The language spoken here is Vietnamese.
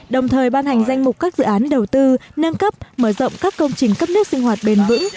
đồng thời ban hành danh mục các dự án đầu tư nâng cấp mở rộng các công trình cấp nước sinh hoạt bền vững